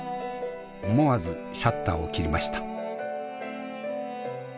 思わずシャッターを切りました。